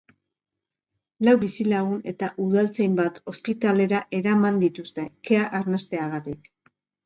Lau bizilagun eta udaltzain bat ospitalera eraman dituzte, kea arnasteagatik.